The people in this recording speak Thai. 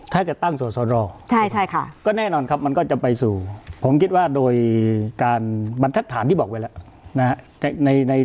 ถ้าจะตั้งสอสรก็แน่นอนครับมันก็จะไปสู่ผมคิดว่าโดยการบรรทัศน์ที่บอกไว้แล้วนะฮะ